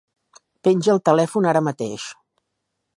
Penja el telèfon ara mateix.